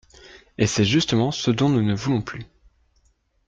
Et c’est justement ce dont nous ne voulons plus.